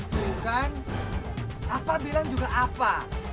bukan apa bilang juga apa